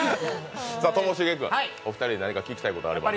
ともしげ君、お二人に何か聞きたいことありますか。